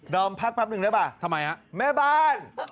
ดอมพักครับหนึ่งได้ป่ะแม่บ้านทำไมครับ